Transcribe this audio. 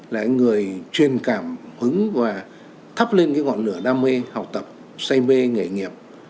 là người truyền cảm hứng và thắp lên cái ngọn lửa đam mê học tập say mê nghề nghiệp